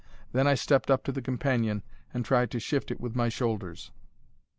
Then I stepped up to the companion and tried to shift it with my shoulders.